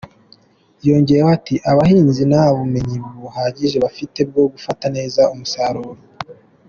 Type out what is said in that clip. Yongeyeho ati “Abahinzi nta bumenyi buhagije bafite bwo gufata neza umusaruro.